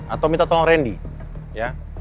atau minta tolong randy